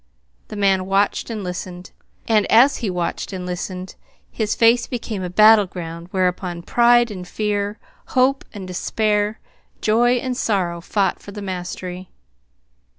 The man watched and listened; and as he watched and listened, his face became a battle ground whereon pride and fear, hope and despair, joy and sorrow, fought for the mastery.